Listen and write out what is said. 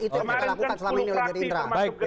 itu yang mereka lakukan selama ini oleh gerindra